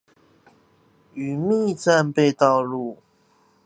澐密戰備道路